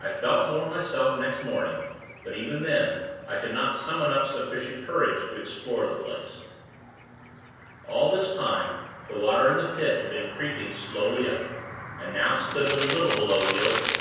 I felt more myself next morning; but even then, I could not summon up sufficient courage to explore the place. All this time, the water in the Pit had been creeping slowly up, and now stood but a little below the opening.